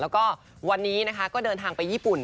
แล้วก็วันนี้นะคะก็เดินทางไปญี่ปุ่น